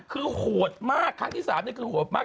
คือโหดมากครั้งที่๓นี่คือโหดมาก